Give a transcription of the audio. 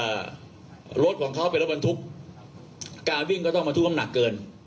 รถของเขาเป็นรถบรรทุกการวิ่งก็ต้องบรรทุกน้ำหนักเกิน